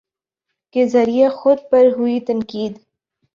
کے ذریعے خود پر ہوئی تنقید